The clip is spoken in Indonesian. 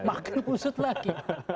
makin usut lagi